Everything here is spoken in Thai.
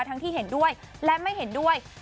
ทั้งที่เห็นด้วยและไม่เห็นด้วย